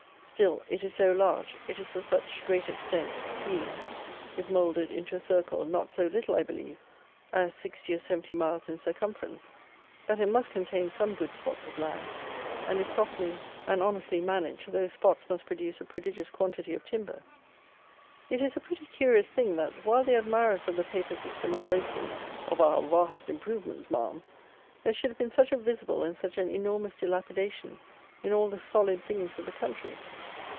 Still, it is so large, it is of such great extent, being, if moulded into a circle, not so little, I believe, as 60 or 70 miles in circumference, that it must contain some good spots of land, and, if properly and honestly managed, those spots must produce a prodigious quantity of timber. It is a pretty curious thing, that, while the admirers of the paper system are boasting of our "waust improvements Ma'am," there should have been such a visible and such an enormous dilapidation in all the solid things of the country.